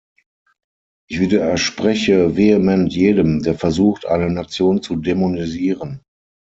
Ich widerspreche vehement jedem, der versucht, eine Nation zu dämonisieren.